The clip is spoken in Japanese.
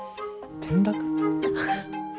転落？